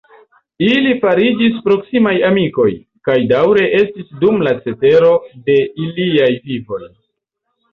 Ili fariĝis proksimaj amikoj, kaj daŭre estis dum la cetero de iliaj vivoj.